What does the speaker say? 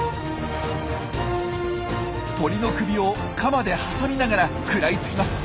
鳥の首をカマで挟みながら食らいつきます。